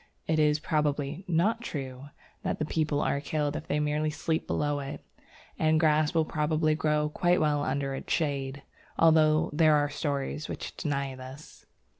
It is probably not true that people are killed if they merely sleep below it, and grass will probably grow quite well under its shade, although there are stories which deny this.